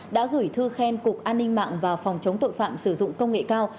đã gửi thư khen cục an ninh mạng và phòng chống tội phạm sử dụng công nghệ cao